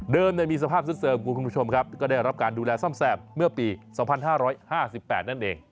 มีสภาพสุดเติมคุณผู้ชมครับก็ได้รับการดูแลซ่อมแซมเมื่อปี๒๕๕๘นั่นเอง